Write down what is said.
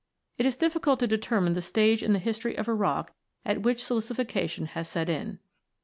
It is difficult to determine the stage in the history of a rock at which silicification has set in.